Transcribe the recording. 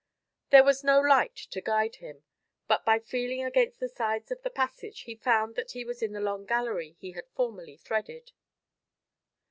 There was no light to guide him, but by feeling against the sides of the passage, he found that he was in the long gallery he had formerly threaded.